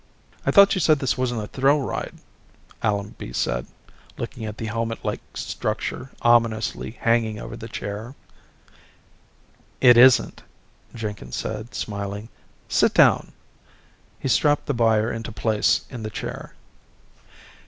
"I thought you said this wasn't a thrill ride," Allenby said, looking at the helmetlike structure ominously hanging over the chair. "It isn't," Jenkins said, smiling. "Sit down." He strapped the buyer into place in the chair.